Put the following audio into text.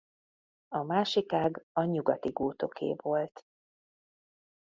A másik ág a nyugati gótoké volt.